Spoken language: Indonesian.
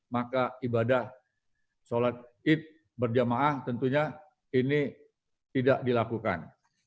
maka ibadah sholat id berjamaah tentunya ini tidak dilakukan